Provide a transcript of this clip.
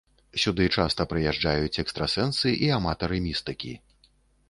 Сюды часта прыязджаюць экстрасэнсы і аматары містыкі.